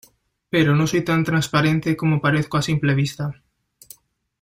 pero no soy tan transparente como parezco a simple vista.